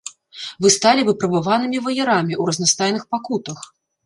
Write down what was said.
Вы сталі выпрабаванымі ваярамі ў разнастайных пакутах.